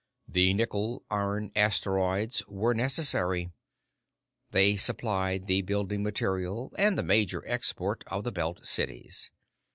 The nickel iron asteroids were necessary. They supplied the building material and the major export of the Belt cities.